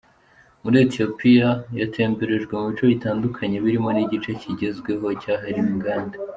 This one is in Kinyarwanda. Muri Ethiopia, yatemberejwe mu bice bitandukanye birimo n’igice kigezweho cyahariwe inganda.